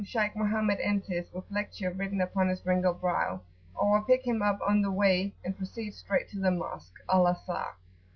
Shaykh Mohammed enters, with "lecture" written upon his wrinkled brow; or I pick him up on the way, and proceed straight to the Mosque Al Azhar.